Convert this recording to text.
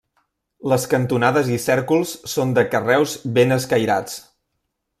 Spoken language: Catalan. Les cantonades i cèrcols són de carreus ben escairats.